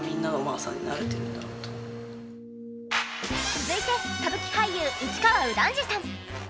続いて歌舞伎俳優市川右團次さん。